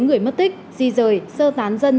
người mất tích di rời sơ tán dân